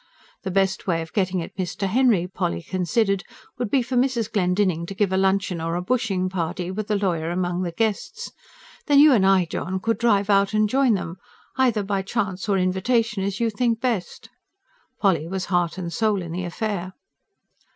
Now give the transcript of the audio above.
The best way of getting at Mr. Henry, Polly considered, would be for Mrs Glendinning to give a luncheon or a bushing party, with the lawyer among the guests: "Then you and I, John, could drive out and join them either by chance or invitation, as you think best." Polly was heart and soul in the affair.